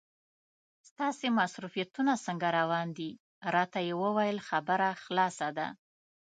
ستاسې مصروفیتونه څنګه روان دي؟ راته یې وویل خبره خلاصه ده.